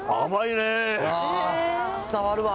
伝わるわ。